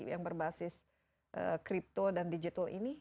yang berbasis crypto dan digital ini